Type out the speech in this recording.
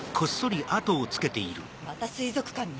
また水族館に？